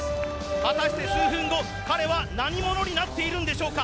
果たして数分後、彼は何者になっているんでしょうか。